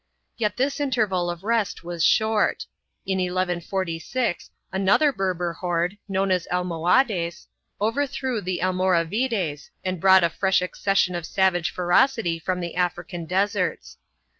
2 Yet this interval of rest was short. In 1146, another Berber horde, known as Almohades, overthrew the Almoravides and brought a fresh accession of savage ferocity from the African deserts.